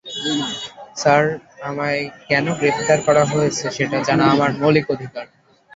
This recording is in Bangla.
স্যার, আমায় কেন গ্রেফতার করা হয়েছে সেটা জানা আমার মৌলিক অধিকার!